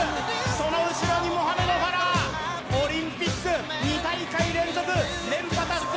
その後ろにモハメド・ファラーオリンピック２大会連続連覇達成